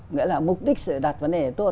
nghĩa là mục đích sẽ đặt vấn đề tốt